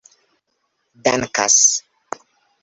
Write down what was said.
dankas